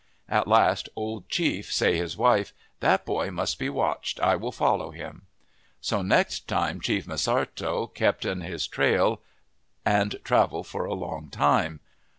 "At last Old Chief say his wife, 'That boy must be watched. I will follow him.' " So next time Chief M'Sartto kept in his trail and travel for long time.